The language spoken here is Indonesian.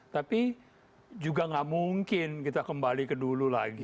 tapi juga nggak mungkin kita kembali ke dulu lagi